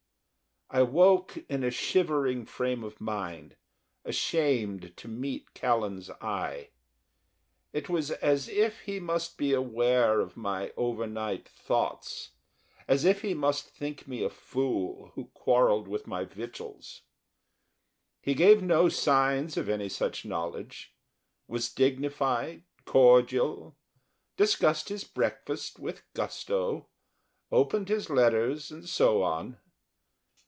I woke in a shivering frame of mind, ashamed to meet Callan's eye. It was as if he must be aware of my over night thoughts, as if he must think me a fool who quarrelled with my victuals. He gave no signs of any such knowledge was dignified, cordial; discussed his breakfast with gusto, opened his letters, and so on.